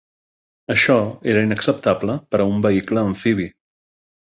Això era inacceptable per a un vehicle amfibi.